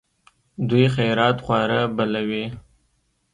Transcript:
دوی خیرات خواره بلوي.